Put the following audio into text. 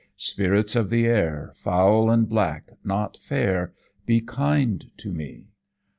"Spirits of the air, Foul and black, not fair, Be kind to me.